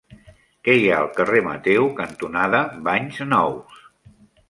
Què hi ha al carrer Mateu cantonada Banys Nous?